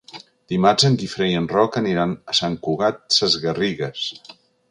Dimarts en Guifré i en Roc aniran a Sant Cugat Sesgarrigues.